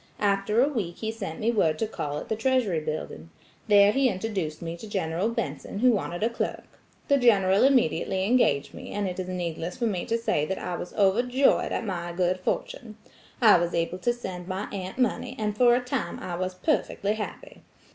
After a week he sent me word to call at the Treasury Building. There he introduced me to General Benson who wanted a clerk. The General immediately engaged me, and it is needless for me to say that I was overjoyed at my good fortune. I was able to send my aunt money, and for a time I was perfectly happy.